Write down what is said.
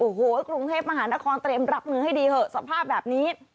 โอ้โหกรุงเทพมหานครเตรียมรับมือให้ดีเถอะสภาพแบบนี้